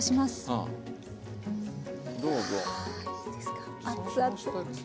あいいですか？